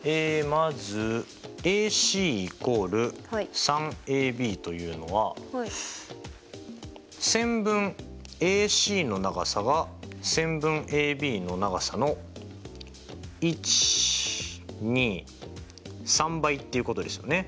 まずＡＣ＝３ＡＢというのは線分ＡＣの長さが線分ＡＢの長さの１２３倍っていうことですよね。